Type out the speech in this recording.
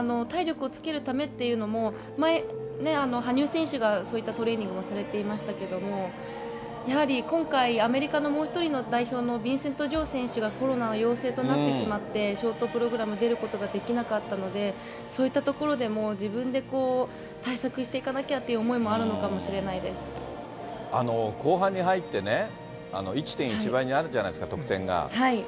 体力をつけるためというのも、前ね、羽生選手がそういったトレーニングをされていましたけれども、やはり今回、アメリカのもう１人の代表のビンセント・ジョー選手がコロナ陽性となってしまって、ショートプログラム出ることができなかったので、そういったところでも、自分で対策していかなきゃという思い後半に入ってね、１．１倍になるじゃないですか、得点が。